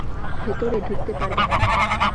ভেতরে ঢুকতে পারবে না!